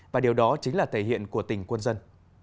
và điều đó chính là thể hiện của tỉnh quân dân